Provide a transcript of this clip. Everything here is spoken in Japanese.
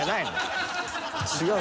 違う。